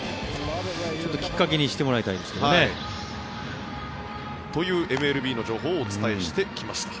ちょっときっかけにしてもらいたいですね。というＭＬＢの情報をお伝えしてきました。